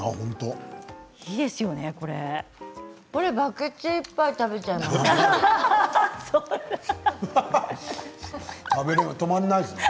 これバケツいっぱい食べちゃいますよね。